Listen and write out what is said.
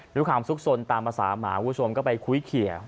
ด้วยความซุขซนตามภาษามาวุฒมก็ไปคุยเขี่ย